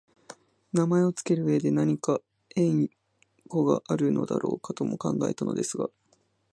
名前をつける上でなにか縁故があるのだろうかとも考えたのですが、